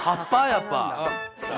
やっぱ。